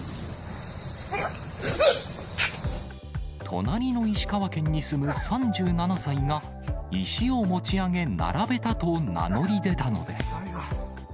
隣の石川県に住む３７歳が、石を持ち上げ並べたと名乗り出たのです。